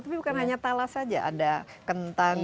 tapi bukan hanya talas saja ada kentang